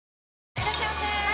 いらっしゃいませ！